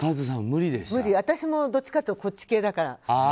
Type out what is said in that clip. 私もどっちかというとこっち系だから。